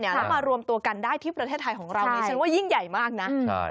แล้วมารวมตัวกันได้ที่ประเทศไทยของเรานี่ฉันว่ายิ่งใหญ่มากนะ